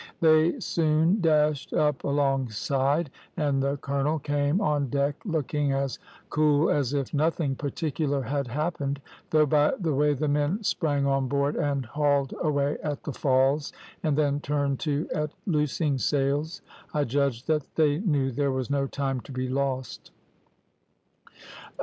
They soon dashed up alongside, and the colonel came on deck, looking as cool as if nothing particular had happened, though by the way the men sprang on board and hauled away at the falls, and then turned to at loosing sails, I judged that they knew there was no time to be lost.